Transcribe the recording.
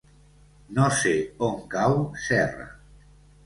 No sé on cau Serra.